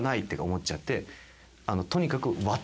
とにかく。